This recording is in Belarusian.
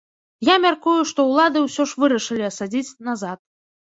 Я мяркую, што ўлады ўсё ж вырашылі асадзіць назад.